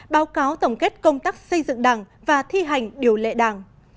báo cáo tổng kết công tác xây dựng đảng và thi hành điều lệ đảng